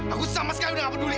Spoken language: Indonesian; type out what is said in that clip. aku sama sekali udah gak peduli